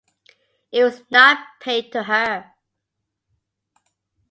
It was not paid to her.